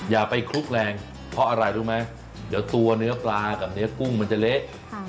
อย่าไปคลุกแรงเพราะอะไรรู้ไหมเดี๋ยวตัวเนื้อปลากับเนื้อกุ้งมันจะเละ